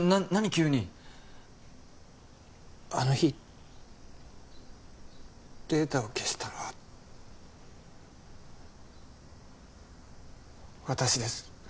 急にあの日データを消したのは私です